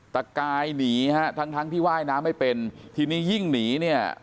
ตะกายหนีฮะทั้งทั้งที่ว่ายน้ำไม่เป็นทีนี้ยิ่งหนีเนี่ย